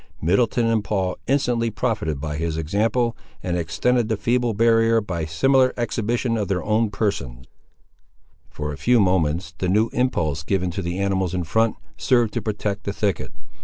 Middleton and Paul instantly profited by his example, and extended the feeble barrier by a similar exhibition of their own persons. For a few moments, the new impulse given to the animals in front, served to protect the thicket.